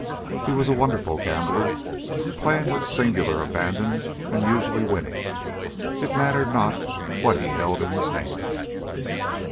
He was a wonderful gambler, playing with singular abandon, and usually winning. It mattered not what he held in his hand.